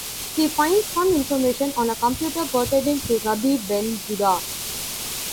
He finds some information on a computer pertaining to Rabbi Ben-Judah.